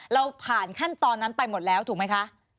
เราผ่านขั้นตอนนั้นไปหมดแล้วถูกไหมคะ